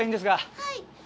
はい。